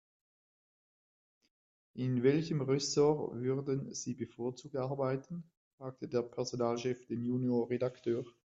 In welchem Ressort würden Sie bevorzugt arbeiten?, fragte der Personalchef den Junior-Redakteur.